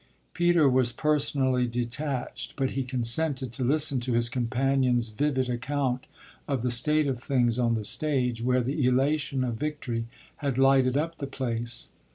Peter was personally detached, but he consented to listen to his companion's vivid account of the state of things on the stage, where the elation of victory had lighted up the place.